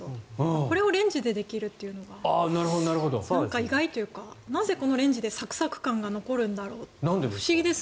これをレンジでできるというのがなんか意外というかなぜレンジでサクサク感が残るのか不思議です。